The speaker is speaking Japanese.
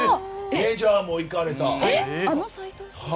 メジャーも行かれた。